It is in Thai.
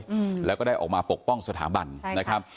อืมแล้วก็ได้ออกมาปกป้องสถาบันใช่นะครับ